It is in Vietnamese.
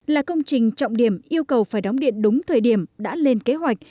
là công trình trọng điểm yêu cầu phải đóng điện đúng thời điểm đã lên kế hoạch